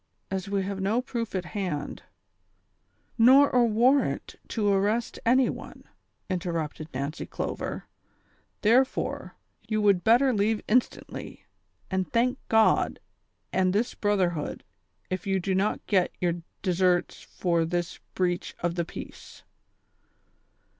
" As we have no proof at hand "— THE COXSPIEATORS AXD LOVERS. 205 " Xor a warrant to arrest any one," interrupted Nancy Clover ;'' therefore, you would better leave instantly, and thank God and this brotherhood if you do not get your deserts for tliis breach of the peace."